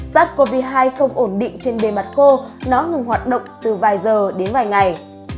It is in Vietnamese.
sars cov hai không ổn định trên bề mặt khô nó ngừng hoạt động từ vài giờ đến vài ngày